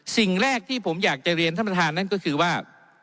สิ่งแรกที่ผมอยากจะเรียนท่านประธานนั่นก็คือว่า